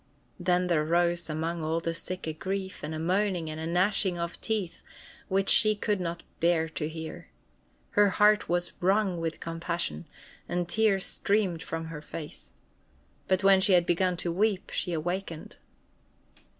Then there arose among all the sick a grief and a moaning and a gnashing of teeth which she could not bear to hear. Her heart was wrung with compassion, and tears streamed from her eyes. But when she had begun to weep, she awakened.